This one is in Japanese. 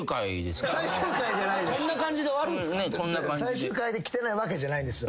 最終回で来てないわけじゃないんです。